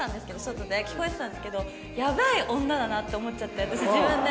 聞こえてたんですけどやばい女だなって思っちゃって私自分で。